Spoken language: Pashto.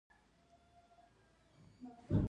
خو دې کار ورته هېڅ ګټه ونه کړه